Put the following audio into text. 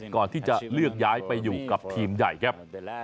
ก่อนที่จะเลือกย้ายไปอยู่กับทีมใหญ่ครับ